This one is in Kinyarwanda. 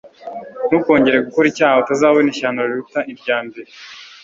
ntukongere gukora icyaha utazabona ishyano riruta irya mbere".